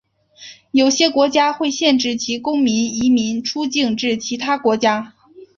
有些国家会限制其公民移民出境至其他国家。